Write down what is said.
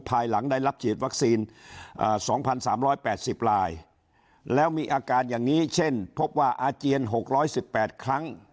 ภายหลังได้รับฉีดวัคซีน๒๓๘๐รายแล้วมีอาการอย่างนี้เช่นพบว่าอาเจียน๖๑๘ครั้ง